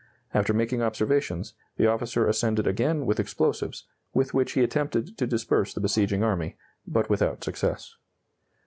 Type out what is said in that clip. After making observations, the officer ascended again with explosives, with which he attempted to disperse the besieging army, but without success.